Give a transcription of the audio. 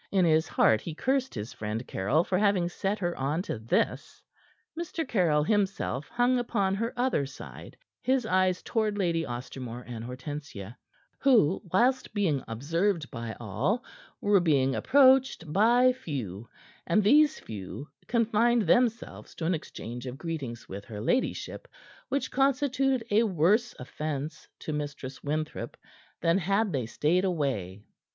In his heart he cursed his friend Caryll for having set her on to this. Mr. Caryll himself hung upon her other side, his eyes toward Lady Ostermore and Hortensia, who, whilst being observed by all, were being approached by few; and these few confined themselves to an exchange of greetings with her ladyship, which constituted a worse offence to Mistress Winthrop than had they stayed away.